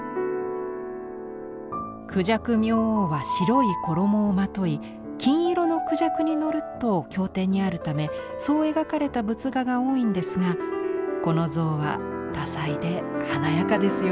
孔雀明王は白い衣をまとい金色の孔雀に乗ると経典にあるためそう描かれた仏画が多いんですがこの像は多彩で華やかですよね。